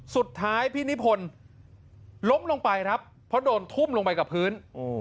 สุดท้ายพี่นิพนธ์ล้มลงไปครับเพราะโดนทุ่มลงไปกับพื้น